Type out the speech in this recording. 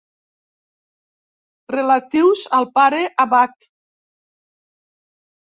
Relatius al pare abat.